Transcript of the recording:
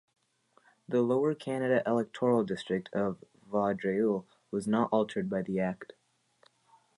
The Lower Canada electoral district of Vaudreuil was not altered by the Act.